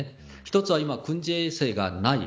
１つは今、軍事遠征がない。